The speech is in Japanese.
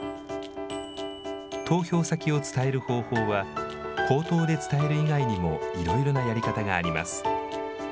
投票先を伝える方法は、口頭で伝える以外にもいろいろなやり方があります。